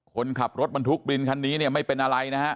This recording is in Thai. คนขับรถบรรทุกดินคันนี้เนี่ยไม่เป็นอะไรนะฮะ